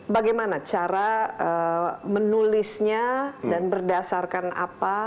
bagaimana cara menulisnya dan berdasarkan apa